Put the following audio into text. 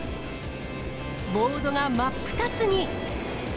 ボードが真っ二つに。